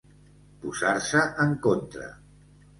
Posar-se en contra.